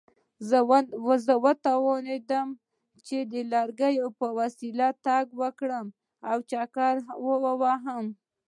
چې وتوانېدم د لرګي په وسیله تګ وکړم او چکر ووهم.